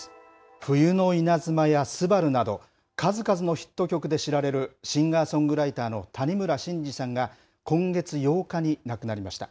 冬の稲妻や昴など、数々のヒット曲で知られるシンガーソングライターの谷村新司さんが、今月８日に亡くなりました。